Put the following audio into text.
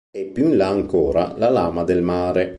E più in là ancora la lama del mare.